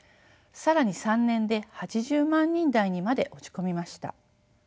更に３年で８０万人台にまで落ち込みました。